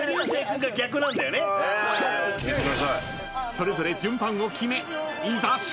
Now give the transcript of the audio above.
［それぞれ順番を決めいざ勝負！］